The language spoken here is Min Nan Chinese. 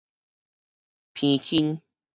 伻輕